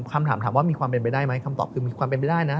คำถามถามว่ามีความเป็นไปได้ไหมคำตอบคือมีความเป็นไปได้นะ